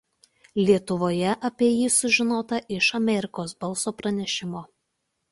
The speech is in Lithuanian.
Lietuvoje apie jį sužinota iš „Amerikos balso“ pranešimo.